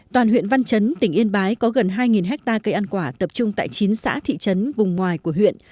toàn huyện văn chấn tỉnh yên bái có gần hai hectare cây ăn quả tập trung tại chín xã thị trấn vùng ngoài của huyện